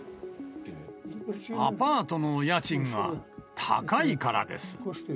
アパートの家賃が高いからです。